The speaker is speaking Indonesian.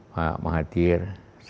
pak mahathir sembilan puluh empat